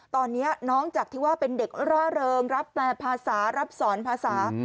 ตอนนี้น้องจากที่ว่าเป็นเด็กร่าเริงรับแปลภาษารับสอนภาษา